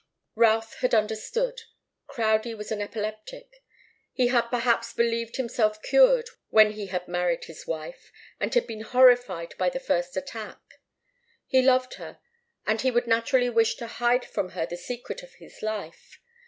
Routh had understood. Crowdie was an epileptic. He had perhaps believed himself cured when he had married his wife, and had been horrified by the first attack. He loved her, and he would naturally wish to hide from her the secret of his life.